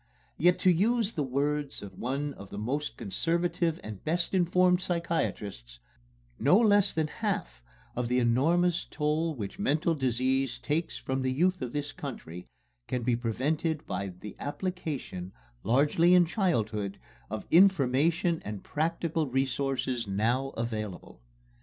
Yet, to use the words of one of our most conservative and best informed psychiatrists, "No less than half of the enormous toll which mental disease takes from the youth of this country can be prevented by the application, largely in childhood, of information and practical resources now available."